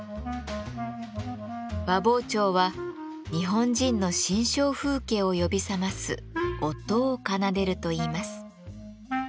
和包丁は日本人の心象風景を呼び覚ます音を奏でるといいます。